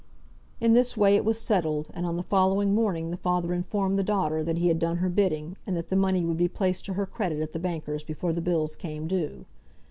In this way it was settled; and on the following morning the father informed the daughter that he had done her bidding, and that the money would be placed to her credit at the bankers' before the bills came due.